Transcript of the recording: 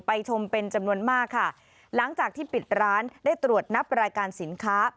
ชมเป็นจำนวนมากค่ะหลังจากที่ปิดร้านได้ตรวจนับรายการสินค้า